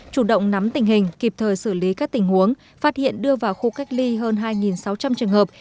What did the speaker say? chủ động nắm tình hình kịp thời xử lý các tình huống phát hiện đưa vào khu cách ly hơn hai sáu trăm linh trường hợp